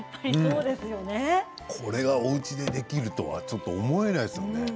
これがおうちでできるとは思えないですね。